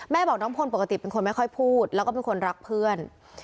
บอกน้องพลปกติเป็นคนไม่ค่อยพูดแล้วก็เป็นคนรักเพื่อน